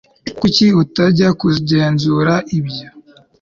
Kuki utajya kugenzura ibyo